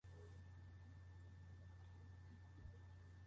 その適応の最も単純な仕方は本能である。